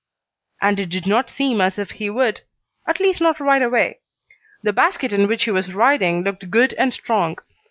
And it did not seem as if he would at least not right away. The basket in which he was riding looked good and strong.